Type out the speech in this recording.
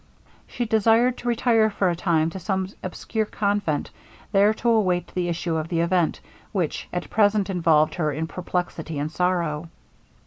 She desired to retire for a time to some obscure convent, there to await the issue of the event, which at present involved her in perplexity and sorrow.